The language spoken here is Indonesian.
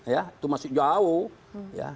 itu masuk jauh